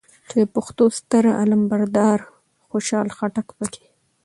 چې د پښتو ستر علم بردار خوشحال خټک پکې